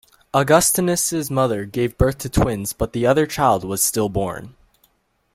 Augustinus's mother gave birth to twins but the other child was stillborn.